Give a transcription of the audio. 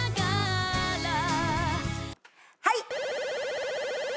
はい！